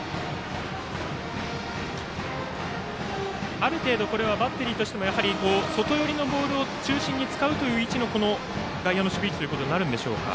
ある程度、バッテリーとしても外寄りのボールを中心に使うということでの外野の守備位置ということになるんでしょうか。